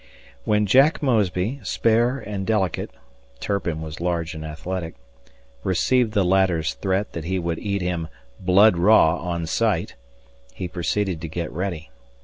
... "When Jack Mosby, spare and delicate Turpin was large and athletic received the latter's threat that he would eat him 'blood raw' on sight, he proceeded to get ready.